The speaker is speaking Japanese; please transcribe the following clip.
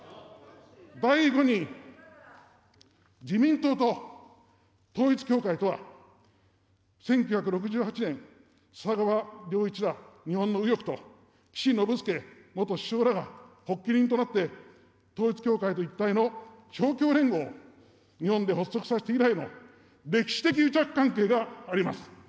第５に、自民党と統一教会とは、１９６８年、笹川良一ら日本の右翼と岸信介元首相らが発起人となって、統一教会と一体の勝共連合を日本で発足させて以来の歴史的癒着関係があります。